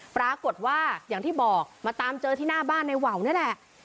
ปรากฏว่าอย่างที่บอกมาตามเจอที่หน้าบ้านในว่าวนี่แหละ